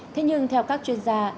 thế nhưng theo các chuyên gia